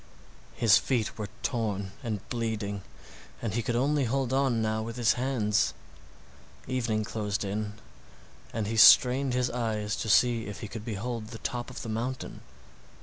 His feet were torn and bleeding, and he could only hold on now with his hands. Evening closed in, and he strained his eyes to see if he could behold the top of the mountain.